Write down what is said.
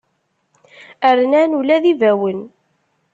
Rnan ula d ibawen.